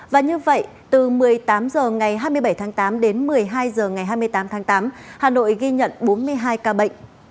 và như vậy từ một mươi tám h ngày hai mươi bảy tháng tám đến một mươi hai h ngày hai mươi tám tháng tám hà nội ghi nhận bốn mươi hai ca bệnh